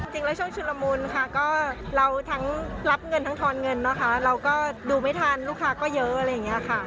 ช่วงชุนละมุนค่ะก็เราทั้งรับเงินทั้งทอนเงินนะคะเราก็ดูไม่ทันลูกค้าก็เยอะอะไรอย่างนี้ค่ะ